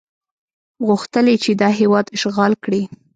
غوښتل یې چې دا هېواد اشغال کړي.